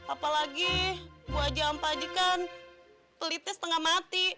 apalagi bu aji ampa aji kan pelitnya setengah mati